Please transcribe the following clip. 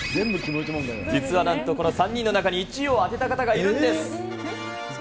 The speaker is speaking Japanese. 実はなんとこの３人の中に、１位を当てた方がいるんです。